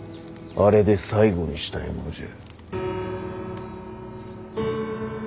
あれで最後にしたいものじゃ。